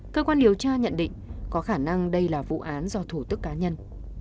cơ quan điều tra nhận định có khả năng đây là vụ án do thủ tức cá nhân